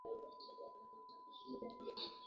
hunifanya Mshindi.